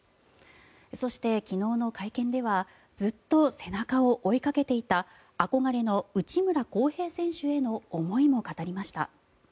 そして、昨日の会見ではずっと背中を追いかけていた憧れの内村航平選手への思いも語りました。